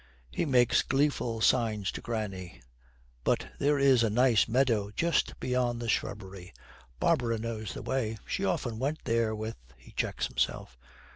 He makes gleeful signs to granny. 'But there is a nice meadow just beyond the shrubbery. Barbara knows the way; she often went there with ' He checks himself.